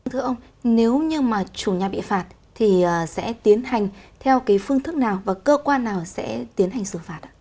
thưa ông nếu như mà chủ nhà bị phạt thì sẽ tiến hành theo cái phương thức nào và cơ quan nào sẽ tiến hành xử phạt ạ